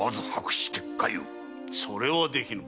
それはできぬ。